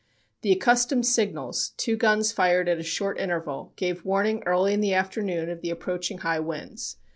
The accustomed signals two guns fired at a short interval gave warning early in the afternoon of the approaching high winds.